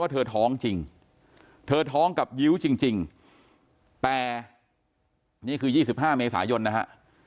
เธอท้องกับยิ้วจริงแต่นี่คือ๒๕เมษายนนะฮะ